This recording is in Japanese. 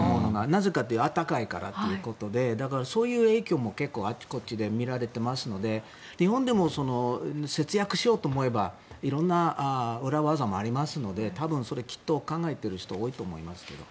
なぜかというと温かいからということでそういう影響も結構あちこちで見られていますので日本でも節約しようと思えば色んな裏技もありますので多分、きっと考えている人多いと思います。